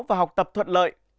và học tập thuận lợi